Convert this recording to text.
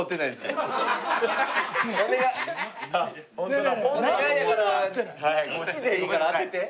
お願いお願いやから１でいいから当てて。